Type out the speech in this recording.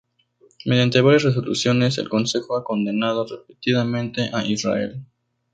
Mediante varias resoluciones, el Consejo ha condenado repetidamente a Israel.